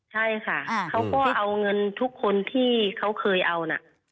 ใช่ค่ะเขาก็เอาเงินทุกคนที่เขาเคยเอานะ